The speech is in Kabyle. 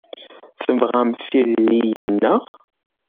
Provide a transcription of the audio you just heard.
Tebɣamt tiririyin, naɣ?